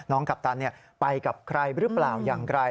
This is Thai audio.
กัปตันไปกับใครหรือเปล่าอย่างไร